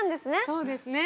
そうですね。